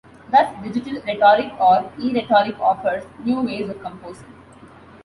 Thus digital rhetoric, or eRhetoric offers new ways of composing.